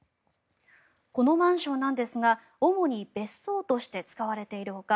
このマンションなんですが主に別荘として使われているほか